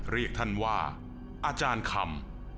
เรียกท่านว่าอาจารย์คำ